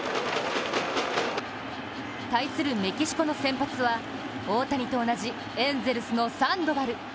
対するメキシコの先発は大谷と同じエンゼルスのサンドバル。